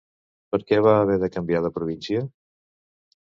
Per què va haver de canviar de província?